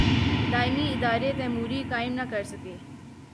دائمی ادارے تیموری قائم نہ کر سکے۔